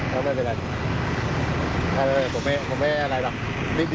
ผมไม่มีประกาศอีกแล้ว